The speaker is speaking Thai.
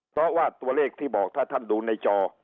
เพราะว่าตัวเลขที่บอกถ้าท่านดูในจอ